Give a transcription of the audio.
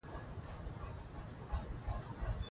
دوی به اوبه بیا نیسي.